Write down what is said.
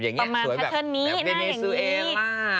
อันนี้แบบเดเนซวีร่า